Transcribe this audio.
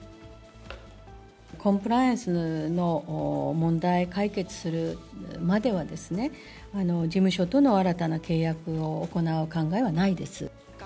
コンプライアンスの問題解決するまではですね、事務所との新たな契約を行う考えはないです。